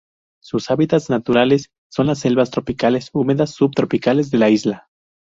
Sus hábitats naturales son las selvas tropicales húmedas subtropicales de la isla.